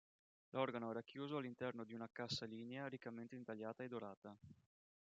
L'organo è racchiuso all'interno di una cassa lignea riccamente intagliata e dorata.